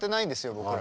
僕ら。